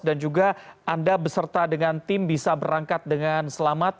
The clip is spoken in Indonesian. dan juga anda beserta dengan tim bisa berangkat dengan selamat